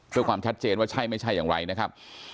เพื่อความชัดเจนว่าใช่ไม่ใช่อย่างไรนะครับ